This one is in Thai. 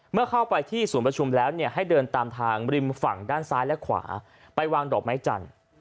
เมื่อเข้าไปที่ศูนย์ประชุมแล้วเนี่ยให้เดินตามทางริมฝั่งด้านซ้ายและขวาไปวางดอกไม้จันทร์